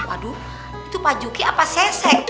aduh itu pak juki apa sesek